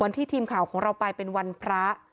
ทีมข่าวของเราไปเป็นวันพระ